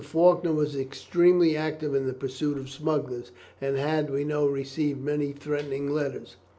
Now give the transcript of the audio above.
Faulkner was extremely active in the pursuit of smugglers, and had, we know, received many threatening letters.